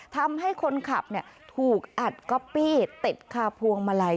ทำให้คนขับถูกอัดก๊อปปี้ติดคาพวงมาลัย